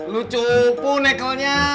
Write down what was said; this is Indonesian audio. lucu pun nekelnya